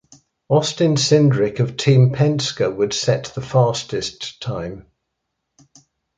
Austin Cindric of Team Penske would set the fastest time.